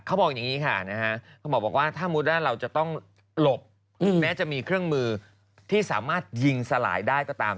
เขาบอกอย่างนี้ค่ะเขาบอกว่าถ้ามุติว่าเราจะต้องหลบแม้จะมีเครื่องมือที่สามารถยิงสลายได้ก็ตาม